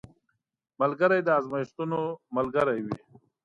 ملګری د ازمېښتو ملګری وي